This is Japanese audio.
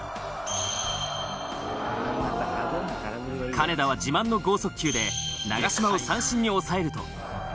金田は自慢の剛速球で長嶋を三振に抑えると。